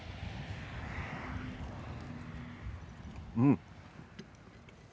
うん。